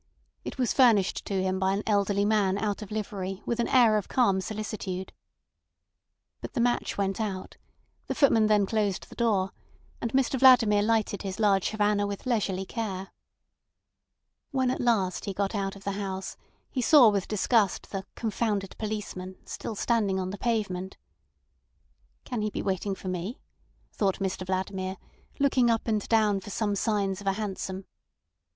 It was furnished to him by an elderly man out of livery with an air of calm solicitude. But the match went out; the footman then closed the door, and Mr Vladimir lighted his large Havana with leisurely care. When at last he got out of the house, he saw with disgust the "confounded policeman" still standing on the pavement. "Can he be waiting for me," thought Mr Vladimir, looking up and down for some signs of a hansom.